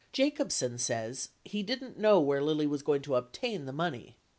71 Jacobsen says he didn't know where Lilly was going to obtain the money.